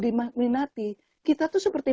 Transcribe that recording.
diminati kita tuh seperti